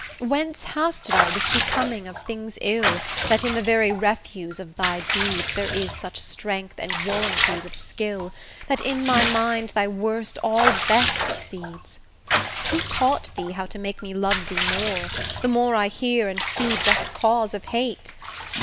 Whence hast thou this becoming of things ill, That in the very refuse of thy deeds There is such strength and warrantise of skill, That, in my mind, thy worst all best exceeds? Who taught thee how to make me love thee more, The more I hear and see just cause of hate?